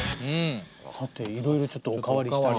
さていろいろちょっとお代わりして。